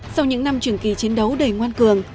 sau những năm trường kỳ chiến đấu đầy ngoan cường